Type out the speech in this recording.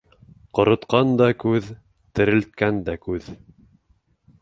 Ҡоротҡан да күҙ, терелткән дә күҙ.